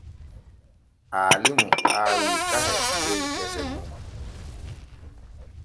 Aalimu aawi kahe der gese mun.